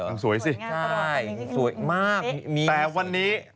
ต้องสวยสิแต่วันนี้